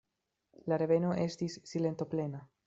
La reveno estis silentoplena.